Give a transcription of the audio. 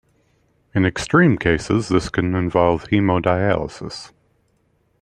In extreme cases, this can involve hemodialysis.